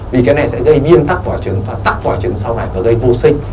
vì cái này sẽ gây biên tắc vòi trứng và tắc vòi trứng sau này và gây vô sinh